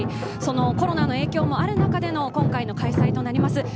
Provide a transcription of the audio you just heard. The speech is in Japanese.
そのコロナの影響もある中での今回の開催となります。